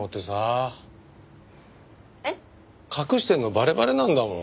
えっ？隠してるのバレバレなんだもん。